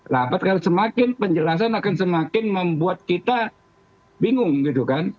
labat karena semakin penjelasan akan semakin membuat kita bingung gitu kan